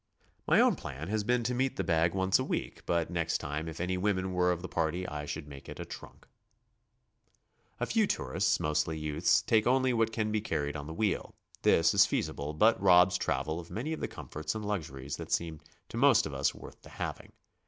My own plan has been to meet the bag once a week, but next time if any women were of the party, I should make it a trunk. A few tourists, mostly youths, take only what can be car ried on the wheel. This is feasible, but robs travel of many of the comforts and luxuries that seem to most of us worth the having.